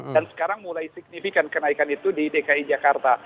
dan sekarang mulai signifikan kenaikan itu di dki jakarta